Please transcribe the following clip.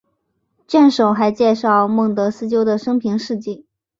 卷首还介绍孟德斯鸠的生平事迹。